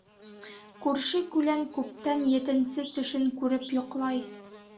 Күрше-күлән күптән етенсе төшөн күреп йоҡлай.